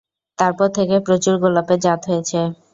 তার পর থেকে প্রচুর গোলাপের জাত হয়েছে।